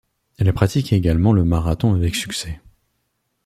Elle pratique également le marathon avec succès.